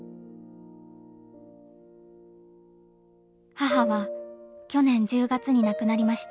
母は去年１０月に亡くなりました。